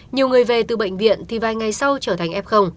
nhiều người về từ bệnh viện thì vài ngày sau trở thành f